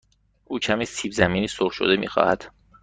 او کمی سیب زمینی سرخ شده می خواهد.